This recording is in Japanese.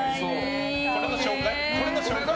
これの紹介？